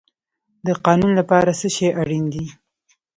د قانون لپاره څه شی اړین دی؟